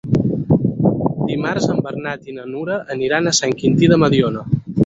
Dimarts en Bernat i na Nura aniran a Sant Quintí de Mediona.